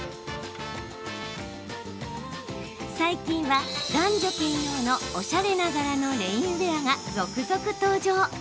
最近は、男女兼用のおしゃれな柄のレインウエアが続々登場。